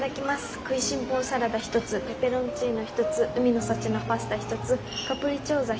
くいしん坊サラダ１つペペロンチーノ１つ海の幸のパスタ１つカプリチョーザ１つ。